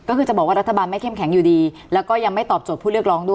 ก็คือจะบอกว่ารัฐบาลไม่เข้มแข็งอยู่ดีแล้วก็ยังไม่ตอบโจทย์ผู้เรียกร้องด้วย